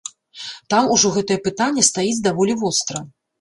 Там ужо гэтае пытанне стаіць даволі востра.